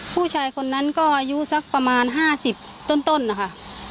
ผู้ชายคนนั้นก็อายุสักประมาณ๕๐ต้นนะคะ